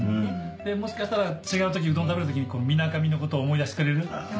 でもしかしたら違うときうどん食べるときにみなかみのことを思い出してくれる。